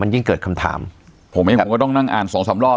ยิ่งเกิดคำถามผมเองผมก็ต้องนั่งอ่านสองสามรอบ